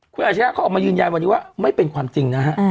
คุณอาชญาเขาออกมายืนยันวันนี้ว่าไม่เป็นความจริงนะฮะ